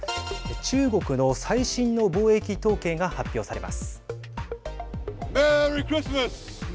中国の最新の貿易統計が発表されます。